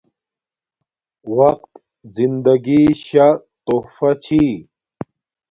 وقت زندگی شا تحفہ چھی